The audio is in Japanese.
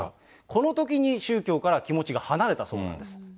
このときに宗教から気持ちが離れたそうです。